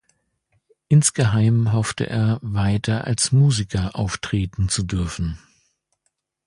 Insgeheim hoffte er, weiter als Musiker auftreten zu dürfen.